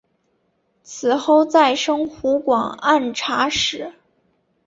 此后再升湖广按察使。